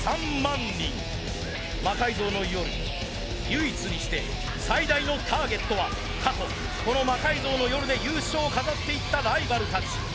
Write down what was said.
唯一にして最大のターゲットは過去この「魔改造の夜」で優勝を飾っていったライバルたち。